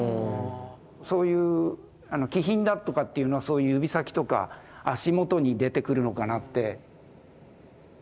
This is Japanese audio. そういう気品だとかっていうのはそういう指先とか足元に出てくるのかなって。